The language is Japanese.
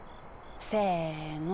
せの。